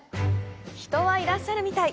人はいらっしゃるみたい。